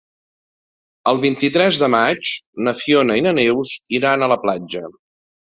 El vint-i-tres de maig na Fiona i na Neus iran a la platja.